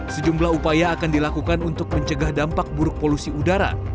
sejumlah upaya akan dilakukan untuk mencegah dampak buruk polusi udara